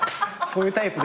そういうタイプ。